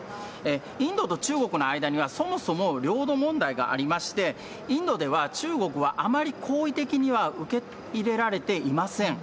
インドと中国の間には、そもそも領土問題がありまして、インドでは中国はあまり好意的には受け入れられていません。